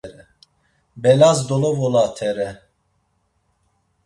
Belas dolovolatere.